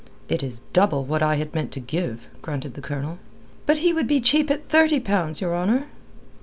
"It is double what I had meant to give," grunted the Colonel. "But he would be cheap at thirty pounds, your honour."